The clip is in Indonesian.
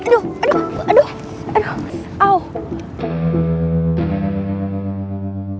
aduh aduh aduh auh